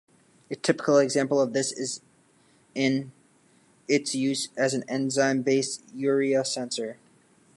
A typical example of this is in its use as an enzyme-based urea sensor.